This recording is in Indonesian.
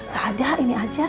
gak ada ini aja